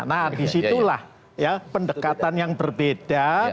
nah disitulah ya pendekatan yang berbeda